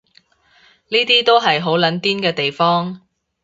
呢啲都係好撚癲嘅地方